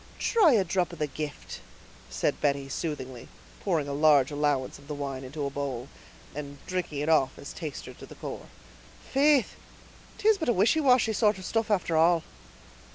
"Try a drop of the gift," said Betty, soothingly, pouring a large allowance of the wine into a bowl, and drinking it off as taster to the corps. "Faith, 'tis but a wishy washy sort of stuff after all!"